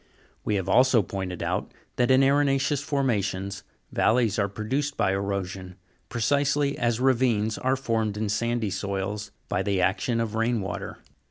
We have also pointed out, that in arena' ceous formations, valleys are produced by erosion, precisely as ravines are formed in sandy soils, by the action of rain water.